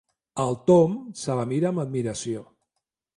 El Tom se la mira amb admiració.